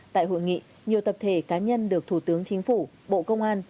tại hội nghị nhiều tập thể cá nhân được thủ tướng chính phủ bộ công an